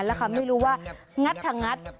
นับทางนับทางนับ